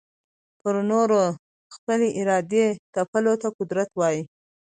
پر نورو د خپلي ارادې تپلو ته قدرت وايې.